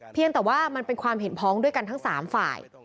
เพียงแต่ว่ามันเป็นความเห็นพ้องด้วยกันทั้ง๓ฝ่าย